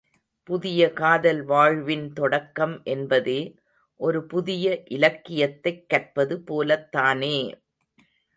புதிய காதல் வாழ்வின் தொடக்கம் என்பதே, ஒரு புதிய இலக்கியத்தைக் கற்பது போலத்தானே!